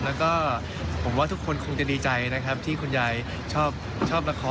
แล้วก็ผมว่าทุกคนคงจะดีใจนะครับที่คุณยายชอบละคร